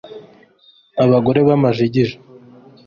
abagore b'amajigija